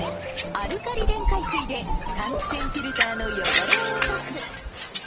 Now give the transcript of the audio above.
アルカリ電解水で換気扇フィルターの汚れを落とす。